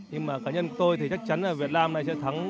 nhưng mà cá nhân tôi thì chắc chắn là việt nam này sẽ thắng